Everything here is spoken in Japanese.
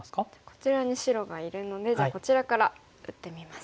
こちらに白がいるのでじゃあこちらから打ってみますか。